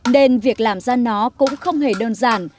nên việc làm ra nó cũng không hề đơn giản